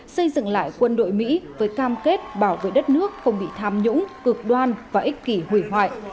xây dựng lại quân đội mỹ với cam kết bảo vệ đất nước không bị tham nhũng cực đoan và ích kỷ hủy hoại